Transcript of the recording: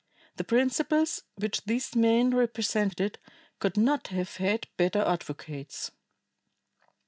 The principles which these men represented could not have had better advocates.